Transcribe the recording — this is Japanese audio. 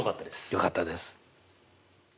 よかったです。